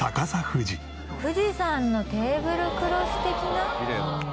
「富士山のテーブルクロス的な」